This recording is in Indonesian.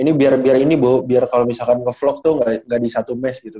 ini biar biar ini bahwa biar kalau misalkan nge vlog tuh gak di satu mes gitu